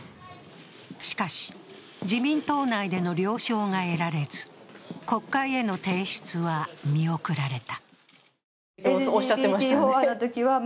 しかし、自民党内での了承が得られず、国会への提出は見送られた。